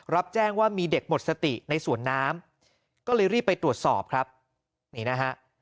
รับแจ้งว่ามีเด็กหมดสติในสวนน้ำก็เลยรีบไปตรวจสอบครับนี่นะฮะ